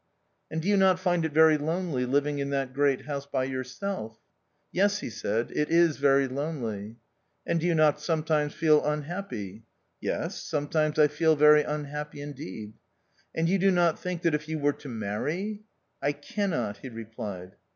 "And do you not find it very lonely living in that great house by yourself?" "Yes," he said, '•'it is very lonely." "And do you not sometimes feel unhappy ?"" Yes, some times I feel very unhappy indeed." "And you do not think that if you were to marry ....'?" "I cannot" he replied.